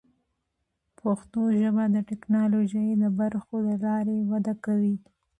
پښتو ژبه د ټکنالوژۍ د برخو له لارې وده کوي.